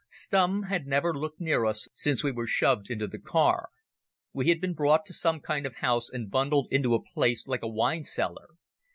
Stumm had never looked near us since we were shoved into the car. We had been brought to some kind of house and bundled into a place like a wine cellar.